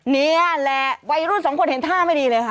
นี่แหละวัยรุ่นสองคนเห็นท่าไม่ดีเลยค่ะ